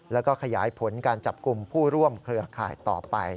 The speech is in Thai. แล้วก็ขยายผลการจับกลุ่มผู้ร่วมเครือข่ายต่อไป